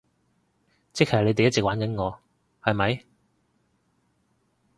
即係你哋一直玩緊我，係咪？